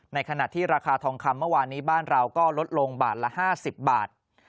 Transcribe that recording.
ในขณะที่ราคาทองคำเมื่อวานนี้บ้านเราก็ลดลงบาทละ๕๐บาท